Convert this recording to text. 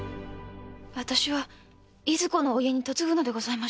私は何処のお家に嫁ぐのでございましょうか。